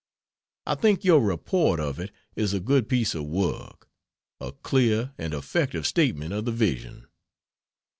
I think your report of it is a good piece of work, a clear and effective statement of the vision.